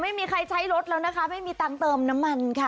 ไม่มีใครใช้รถแล้วนะคะไม่มีตังค์เติมน้ำมันค่ะ